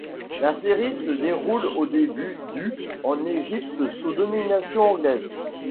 La série se déroule au début du en Égypte sous domination anglaise.